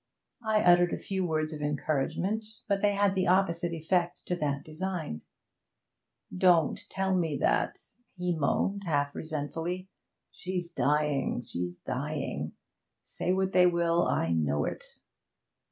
I uttered a few words of encouragement, but they had the opposite effect to that designed. 'Don't tell me that,' he moaned, half resentfully. 'She's dying she's dying say what they will, I know it.'